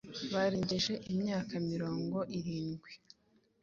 barengeje imyaka mirongo irindwi